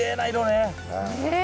ねえ！